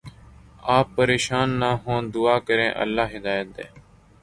آپ پریشان نہ ہوں دعا کریں اللہ ہدایت دے